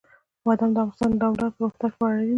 بادام د افغانستان د دوامداره پرمختګ لپاره اړین دي.